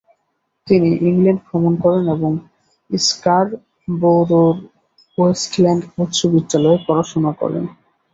তিনি ইংল্যান্ড ভ্রমণ করেন এবং স্কারবোরোর ওয়েস্টল্যান্ড উচ্চ বিদ্যালয়ে পড়াশোনা করেন।